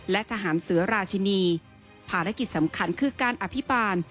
และทหารเสือราชินีภารกิจสำคัญคือการอภิบาล